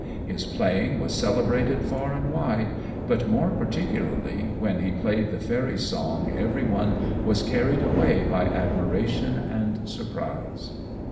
His playing was celebrated far and wide, but, more particularly, when he played the fairy song every one was carried away by admiration and surprise.